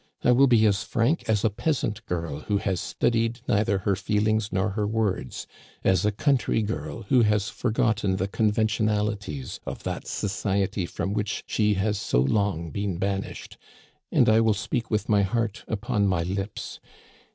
'' I will be as frank as a peasant girl who has studied neither her feelings nor her words — ^as a country girl who has forgotten the conventionalities of that society from which she has so long been banished — and I will speak with my heart upon my lips.